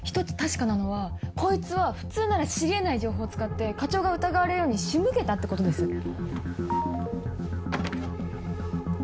１つ確かなのはこいつは普通なら知り得ない情報を使って課長が疑われるように仕向けたってことです。